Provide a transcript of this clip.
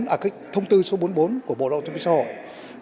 à cái thông tư số bốn mươi bốn của bộ đạo thông minh xã hội